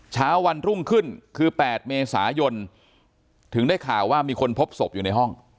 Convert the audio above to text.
เช้าวันรุ่งขึ้นคือ๘เมษายนถึงได้ข่าวว่ามีคนพบศพอยู่ในห้อง